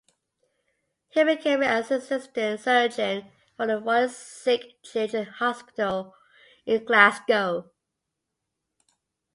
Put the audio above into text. He became an assistant surgeon for the Royal Sick Children Hospital in Glasgow.